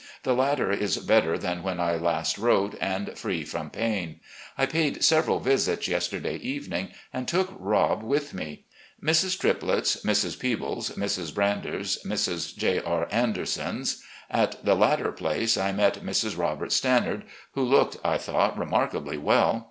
The latter is better than when I last wrote, and free from pain. I paid several visits yesterday evening, and took Rob with me. Mrs. Triplett's, Mrs. Peebles', Mrs. Brander's, Mrs. J. R. Anderson's. At the latter place I met Mrs. Robert Stannard, who looked, I thought, remarkably well.